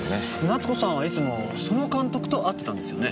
奈津子さんはいつもその監督と会ってたんですよね？